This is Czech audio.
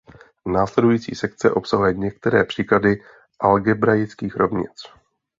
Následující sekce obsahuje některé příklady algebraických rovnic.